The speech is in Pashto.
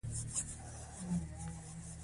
ملالۍ غازیانو ته خوراک او اوبه رسولې.